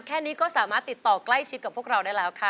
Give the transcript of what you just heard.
แค่นี้ก็สามารถติดต่อใกล้ชิดกับพวกเราได้แล้วค่ะ